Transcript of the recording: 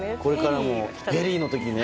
ペリーの時にね。